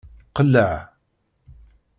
Qelleɛ.